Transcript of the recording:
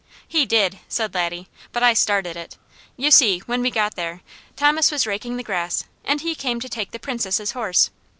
"He did!" said Laddie, "but I started it. You see, when we got there, Thomas was raking the grass and he came to take the Princess' horse.